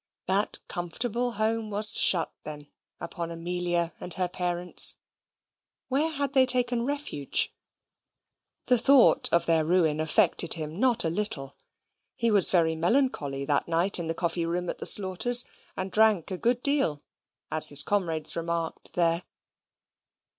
That comfortable home was shut, then, upon Amelia and her parents: where had they taken refuge? The thought of their ruin affected him not a little. He was very melancholy that night in the coffee room at the Slaughters'; and drank a good deal, as his comrades remarked there.